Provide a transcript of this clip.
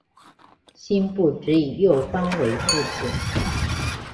辛部只以右方为部字。